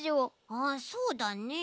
ああそうだね。